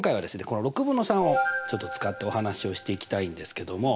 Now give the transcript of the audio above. この６分の３をちょっと使ってお話しをしていきたいんですけども。